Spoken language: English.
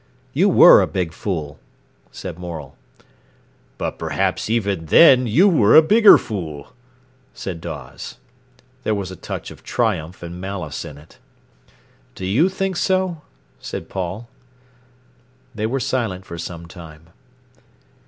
"You were a big fool," said Morel. "But perhaps even then you were a bigger fool," said Dawes. There was a touch of triumph and malice in it. "Do you think so?" said Paul. They were silent for some time.